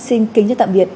xin kính chào tạm biệt